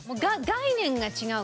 概念が違う？